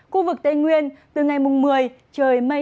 khu vực tây nguyên từ ngày một mươi